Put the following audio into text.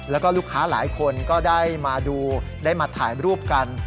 แล้วก็ลูกค้าหลายคนก็ได้มาดูได้มาถ่ายรูปกัน